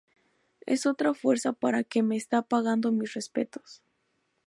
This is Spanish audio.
Es otra fuerza para que me está pagando mis respetos.